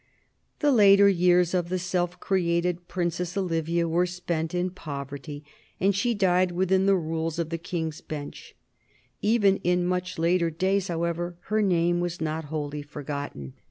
The later years of the self created Princess Olivia were spent in poverty, and she died within the rules of the King's Bench. Even in much later days, however, her name was not wholly forgotten.